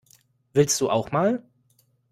Willst du auch mal?